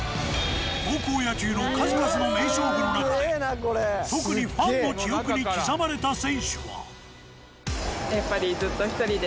高校野球の数々の名勝負の中で特にファンの記憶に刻まれた選手は。